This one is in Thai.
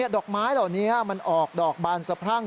ดอกไม้เหล่านี้มันออกดอกบานสะพรั่ง